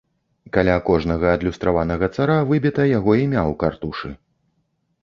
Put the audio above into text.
Каля кожнага адлюстраванага цара выбіта яго імя ў картушы.